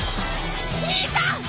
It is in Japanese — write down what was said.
兄さん！